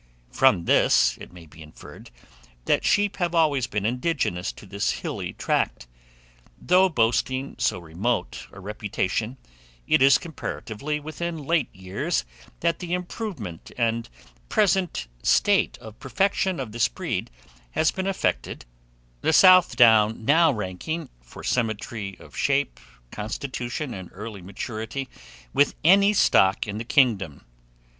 From this, it may be inferred that sheep have always been indigenous to this hilly tract. Though boasting so remote a reputation, it is comparatively within late years that the improvement and present state of perfection of this breed has been effected, the South Down new ranking, for symmetry of shape, constitution, and early maturity, with any stock in the kingdom.